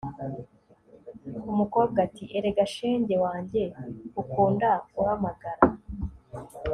umukobwa ati 'erega shenge wanjye ukunda guhamagara